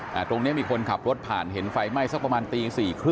ตรงนี้มีคนขับรถผ่านเห็นไฟไหม้สักประมาณตี๔๓๐